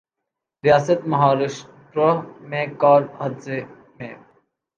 ریاست مہاراشٹرا میں کار حادثے میں